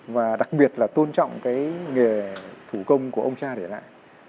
và đặc biệt là tôn trọng cái nghề thủ công của ông cha để lại